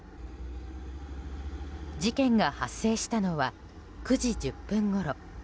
事件が発生したのは９時１０分ごろ。